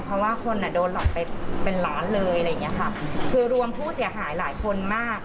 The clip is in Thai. เพราะว่าคนอ่ะโดนหลอกไปเป็นล้านเลยอะไรอย่างเงี้ยค่ะคือรวมผู้เสียหายหลายคนมาก